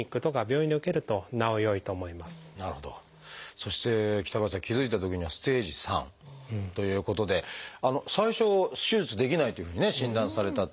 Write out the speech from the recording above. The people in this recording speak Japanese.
そして北林さん気付いたときにはステージⅢということで最初手術できないというふうにね診断されたって。